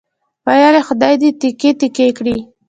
ویل یې خدای دې تیکې تیکې کړي.